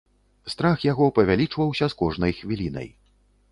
Страх яго павялічваўся з кожнай хвілінай.